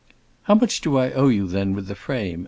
"How much do I owe you, then, with the frame?"